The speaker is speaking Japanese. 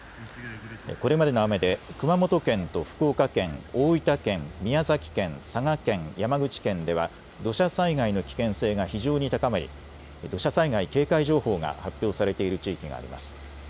これまでの雨で熊本県と福岡県、大分県、宮崎県、佐賀県、山口県では土砂災害の危険性が非常に高まり土砂災害警戒情報が発表されている地域があります。